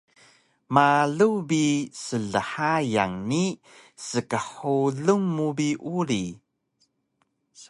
Malu bi slhayan ni skxulun mu bi uri